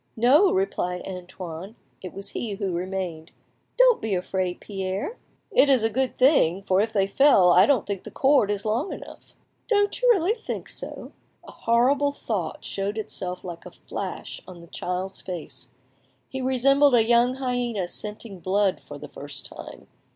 "No," replied Antoine; it was he who remained. "Don't be afraid, Pierre." "It is a good thing; for if they fell I don't think the cord is long enough." "Don't you really think so?" A horrible thought showed itself like a flash on the child's face. He resembled a young hyena scenting blood for the first time.